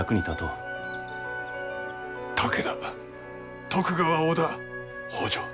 武田徳川織田北条